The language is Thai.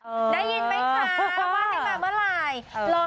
ขอให้รัฐบาลของประเทศไทยฉีดวัคซีนให้หมดก่อนนะคะถึงจะเปิดร้าน